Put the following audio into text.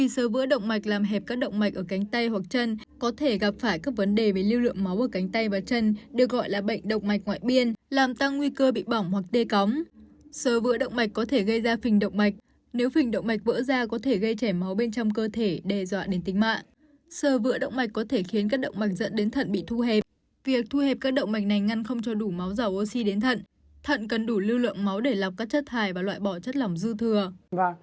sơ vữa động mạch có thể khiến các động mạch dẫn đến thận bị thu hẹp việc thu hẹp các động mạch này ngăn không cho đủ máu dầu oxy đến thận thận cần đủ lưu lượng máu để lọc các chất thải và loại bỏ chất lỏng dư thừa